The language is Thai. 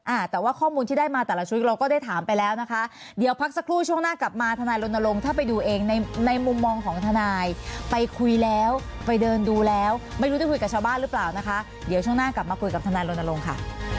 อ่าแต่ว่าข้อมูลที่ได้มาแต่ละชุดเราก็ได้ถามไปแล้วนะคะเดี๋ยวพักสักครู่ช่วงหน้ากลับมาทนายรณรงค์ถ้าไปดูเองในในมุมมองของทนายไปคุยแล้วไปเดินดูแล้วไม่รู้ได้คุยกับชาวบ้านหรือเปล่านะคะเดี๋ยวช่วงหน้ากลับมาคุยกับทนายรณรงค์ค่ะ